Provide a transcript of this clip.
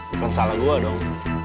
bukan salah gua dong